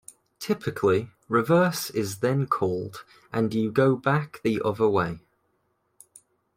Typically "reverse" is then called and you go back the other way.